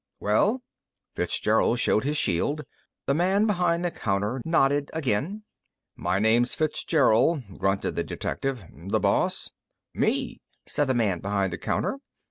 "Well?" Fitzgerald showed his shield. The man behind the counter nodded again. "My name's Fitzgerald," grunted the detective. "The boss?" "Me," said the man behind the counter.